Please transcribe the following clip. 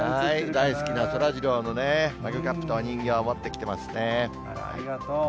大好きなそらジローのね、マグカップとお人形、持ってきてありがとう。